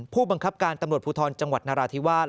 ผู้บังคับการตำรวจภูทรจังหวัดนราธิวาส